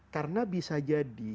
karena bisa jadi